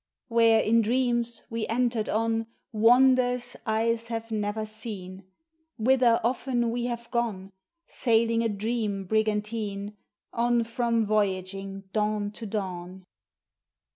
Where, in dreams, we entered on Wonders eyes have never seen: Whither often we have gone, Sailing a dream brigantine On from voyaging dawn to dawn.